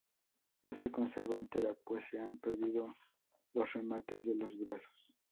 No se conserva entera, pues se han perdido los remates de los brazos.